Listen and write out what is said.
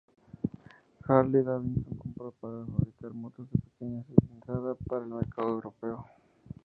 Harley Davidson la compró para fabricar motos de pequeña cilindrada para el mercado europeo.